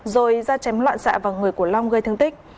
rồi ra chém loạn xạ vào người của long gây thương tích